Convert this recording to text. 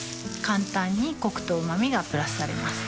簡単にコクとうま味がプラスされます